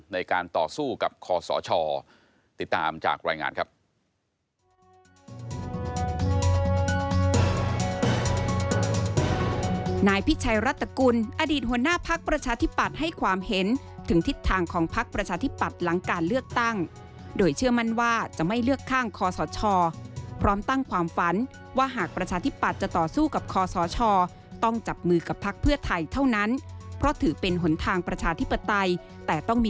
ในการต่อสู้กับคอสชติดตามจากรายงานครับ